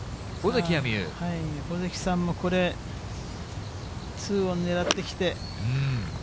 尾関さんもこれ、２オン狙ってきて。